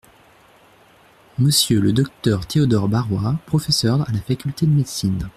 Monsieur le Dr Théodore Barrois, professeur à la Faculté de médecine.